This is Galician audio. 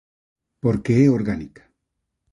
Porque é orgánica.